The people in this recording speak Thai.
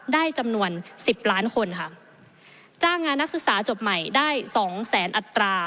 ได้จำนวนสิบล้านคนค่ะจ้างงานนักศึกษาจบใหม่ได้สองแสนอัตรา